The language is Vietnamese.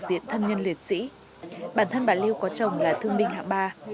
diện thân nhân liệt sĩ bản thân bà lưu có chồng là thương binh hạng ba